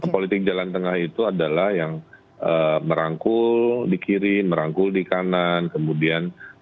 politik jalan tengah itu adalah yang merangkul di kiri merangkul di kanan kemudian